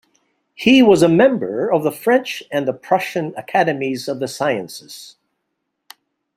He was a member of the French and the Prussian academies of the sciences.